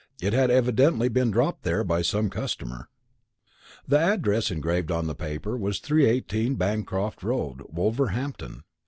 It had evidently been dropped there by some customer. "The address engraved on the paper was 318, Bancroft Road, Wolverhampton.